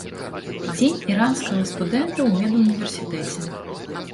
Дзень іранскага студэнта ў медуніверсітэце.